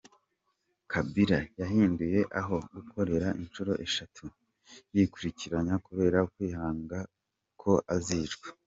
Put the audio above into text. Kabila yahinduye aho gukorera inshuro eshatu yikurikiranya kubera kwikanga ko azicwa.